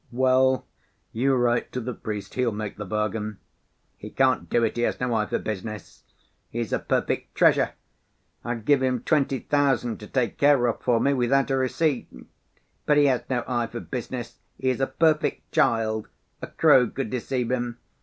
"Well, you write to the priest; he'll make the bargain." "He can't do it. He has no eye for business. He is a perfect treasure, I'd give him twenty thousand to take care of for me without a receipt; but he has no eye for business, he is a perfect child, a crow could deceive him.